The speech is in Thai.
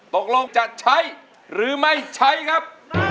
ตกลงจะใช้หรือไม่ใช้ครับ